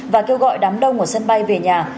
và kêu gọi đám đông ở sân bay về nhà